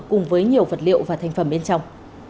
cùng với nhiều vật liệu và thành phẩm bên trong